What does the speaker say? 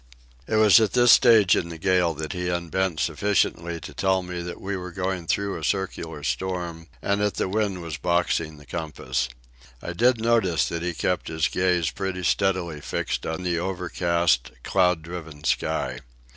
It was at this stage in the gale that he unbent sufficiently to tell me that we were going through a circular storm and that the wind was boxing the compass. I did notice that he kept his gaze pretty steadily fixed on the overcast, cloud driven sky.